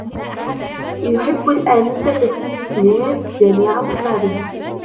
يحب الآنسةَ سميث جميعُ طلابها.